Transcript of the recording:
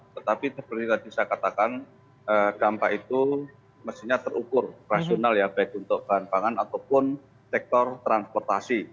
tetapi seperti tadi saya katakan dampak itu mestinya terukur rasional ya baik untuk bahan pangan ataupun sektor transportasi